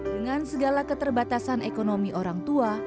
dengan segala keterbatasan ekonomi orang tua